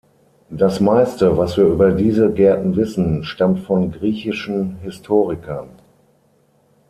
Das Meiste, was wir über diese Gärten wissen stammt von griechischen Historikern.